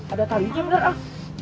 ada talinya bener ah